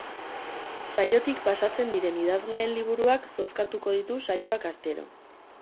Saiotik pasatzen diren idazleen liburuak zozkatuko ditu saioak astero.